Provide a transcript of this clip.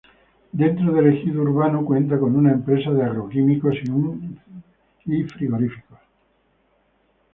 Dentro del ejido urbano cuenta con una empresa de agroquímicos y un frigoríficos.